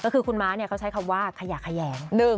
คือคุณม้าเมียเขาใช้คำว่าขยะคยาง